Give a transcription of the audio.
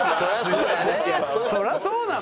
そりゃそうなの？